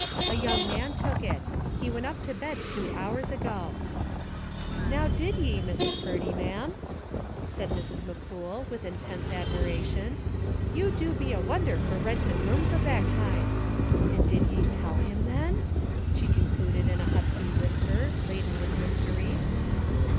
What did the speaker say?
"A young man took it. He went up to bed two hours ago." "Now, did ye, Mrs. Purdy, ma'am?" said Mrs. McCool, with intense admiration. "You do be a wonder for rentin' rooms of that kind. 262 The Amazing Genius of O. Henry And did ye tell him, then?" she concluded in a husky whisper, laden with mystery.